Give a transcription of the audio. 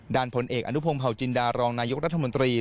ดาลพลเอกอนุพงภาวจินดารองนายทรัฐมนตรี